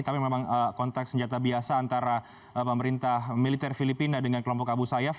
tapi memang kontak senjata biasa antara pemerintah militer filipina dengan kelompok abu sayyaf